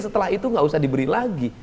setelah itu nggak usah diberi lagi